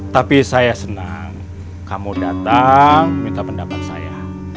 tapi saya senang kamu datang minta pendapat saya